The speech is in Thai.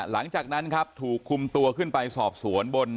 หลังจากนั้นครับถูกคุมตัวขึ้นไปสอบสวนบน